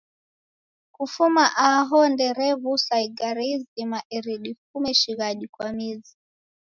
Kufuma aho derew'usa igare izima eri difume shighadi ya mizi.